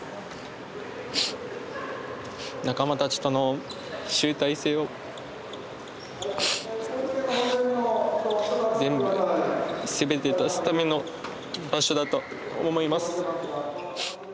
仲間たちとの集大成を全部全て出すための場所だったと思います。